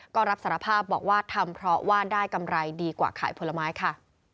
ก็รับสารภาพบอกว่าทำเพราะว่าได้กำไรดีกว่าขายผลไม้ค่ะ